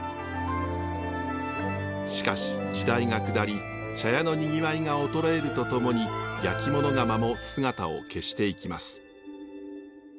しかし時代が下り茶屋のにぎわいが衰えるとともに焼き物窯も姿を消していきます。